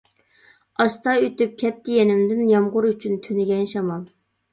ئاستا ئۆتۈپ كەتتى يېنىمدىن، يامغۇر ئۈچۈن تۈنىگەن شامال.